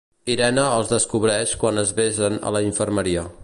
Irene els descobreix quan es besen a la infermeria.